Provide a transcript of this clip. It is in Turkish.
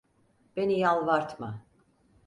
Beni yalvartma.